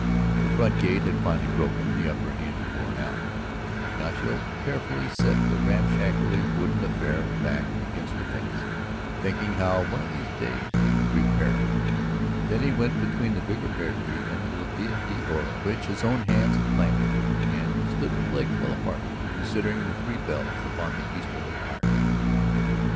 The front gate had finally broken, the upper hinge worn out; Ignacio carefully set the ramshackly wooden affair back against the fence, thinking how one of these days he would repair it. Then he went between the bigger pear tree and the lluvia de oro which his own hands had planted here, and stood with legs well apart considering the three bells upon the easterly arch.